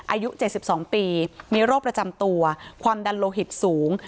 อายุ๗๒ปีมีโรคประจำตัวความดันโลหิตสูง